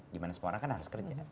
dimana semua orang kan harus kerja kan